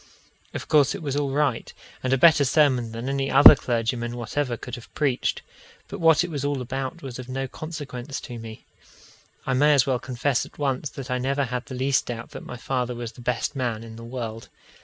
Of course it was all right, and a better sermon than any other clergyman whatever could have preached, but what it was all about was of no consequence to me. I may as well confess at once that I never had the least doubt that my father was the best man in the world.